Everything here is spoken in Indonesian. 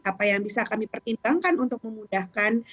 apa yang bisa kami pertimbangkan untuk memudahkan